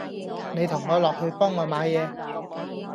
你同我落去幫我買嘢